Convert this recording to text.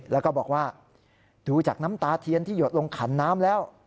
แล้วก็บอกว่าดูจากน้ำตาเทียนที่หยดลงขันน้ำแล้ว